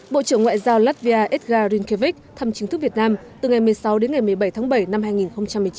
bộ trưởng ngoại giao latvia edgar rinkevich thăm chính thức việt nam từ ngày một mươi sáu đến ngày một mươi bảy tháng bảy năm hai nghìn một mươi chín